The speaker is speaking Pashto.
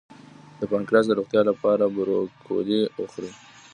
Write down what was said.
د پانکراس د روغتیا لپاره بروکولي وخورئ